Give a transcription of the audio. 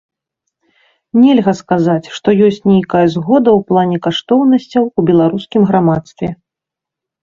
Нельга сказаць, што ёсць нейкая згода у плане каштоўнасцяў у беларускім грамадстве.